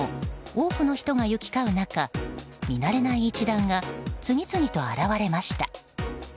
連休中日の昨日多くの人が行き交う中見慣れない一団が次々と現れました。